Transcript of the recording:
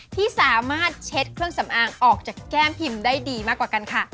ที่สามารถเช็ดเครื่องสำอางออกจากแก้มพิมพ์ได้ดีมากกว่ากันค่ะ